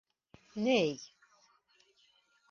Ней...